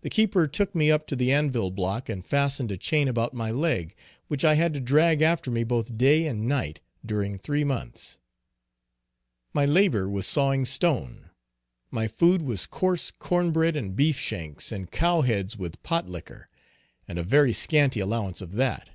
The keeper took me up to the anvil block and fastened a chain about my leg, which I had to drag after me both day and night during three months. My labor was sawing stone; my food was coarse corn bread and beef shanks and cows heads with pot liquor, and a very scanty allowance of that.